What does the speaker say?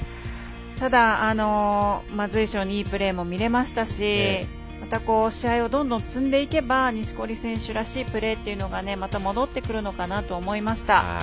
ただ、随所にいいプレーも見れましたしまた試合をどんどん積んでいけば錦織選手らしいプレーというのがまた戻ってくるのかなと思いました。